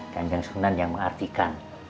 kanjeng sunan yang mengartikan